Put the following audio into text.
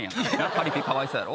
パリピかわいそうやろ？